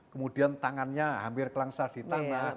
kemudian tangannya hampir kelangsa di tanah